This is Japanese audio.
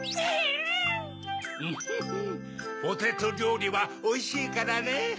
フフフポテトりょうりはおいしいからねぇ。